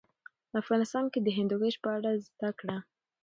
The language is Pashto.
افغانستان کې د هندوکش په اړه زده کړه.